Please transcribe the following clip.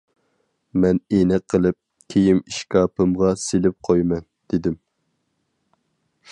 مەن ئېنىق قىلىپ «كىيىم ئىشكاپىمغا سېلىپ قويىمەن» دېدىم.